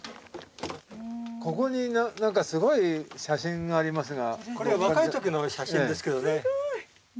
ここに何かすごい写真がありますが。